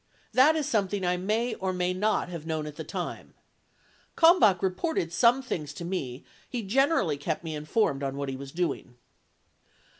. That is something I may or may not have known at the time ... Kalmbach reported some things to me, he generally kept me informed on what he was doing.